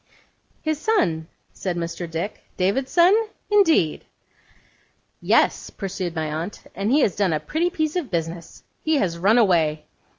'His son?' said Mr. Dick. 'David's son? Indeed!' 'Yes,' pursued my aunt, 'and he has done a pretty piece of business. He has run away.